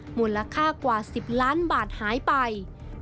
มูลค่ากว่า๑๐ล้านบาทหายไป